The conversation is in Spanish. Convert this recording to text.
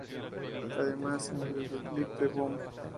Además en el videoclip de "Boom!